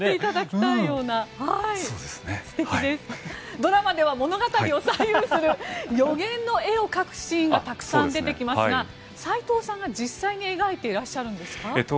ドラマでは物語を左右する予言の絵を描くシーンがたくさん出てきますが斎藤さんが実際描いていらっしゃるんですか。